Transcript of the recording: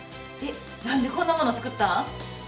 えっ何でこんなもの作ったん？